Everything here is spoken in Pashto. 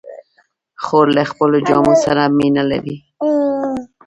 خور له خپلو جامو سره مینه لري.